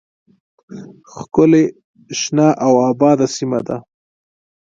ښکلې شنه او آباده سیمه ده